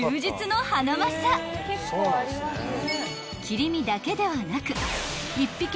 ［切り身だけではなく］